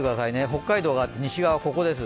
北海道があって西側、ここです。